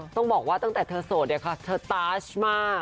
ต้องบอกว่าตั้งแต่เธอโสดเธอตาชมาก